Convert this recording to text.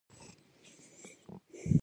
په لاندې کرښو کې مهمو ټکو ته ځير شئ.